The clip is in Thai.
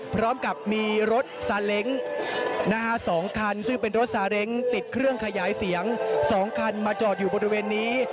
พร้อมกับมีรถซาเล้ง๒คันซึ่งเป็นรถซาเล้งติดเครื่องขยายเสียง๒คันมาจอดอยู่บริเวณนี้